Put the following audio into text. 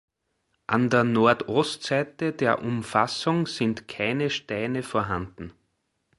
An der Nordostseite der Umfassung sind keine Steine vorhanden.